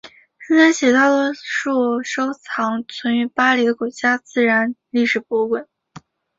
现在起大多数收藏存于巴黎的国家自然历史博物馆。